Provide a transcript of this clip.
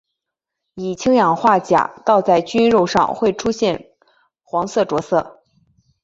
以氢氧化钾倒在菌肉上会出现黄色着色。